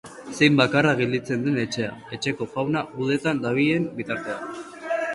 Zein bakarra gelditzen den etxea, etxeko jauna gudetan dabilen bitartean.